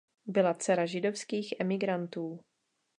Byla dcera židovských emigrantů.